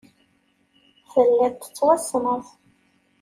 Telliḍ tettwassneḍ